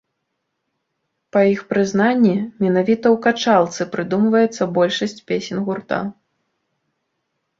Па іх прызнанні, менавіта ў качалцы прыдумваецца большасць песень гурта.